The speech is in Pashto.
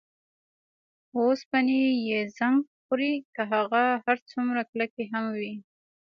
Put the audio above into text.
اوسپنې یې زنګ خوري که هغه هر څومره کلکې هم وي.